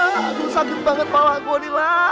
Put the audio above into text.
aduh sakit banget malah gue nih lah